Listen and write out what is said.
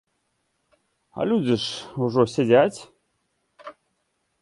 А людзі ж ўжо сядзяць.